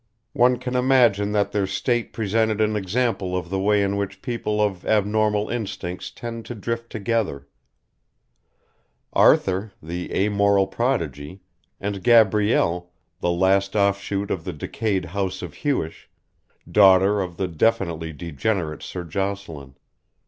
One can imagine that their state presented an example of the way in which people of abnormal instincts tend to drift together: Arthur, the a moral prodigy, and Gabrielle, the last offshoot of the decayed house of Hewish, daughter of the definitely degenerate Sir Jocelyn.